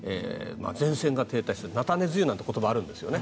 前線が停滞する菜種梅雨なんていう言葉があるんですよね。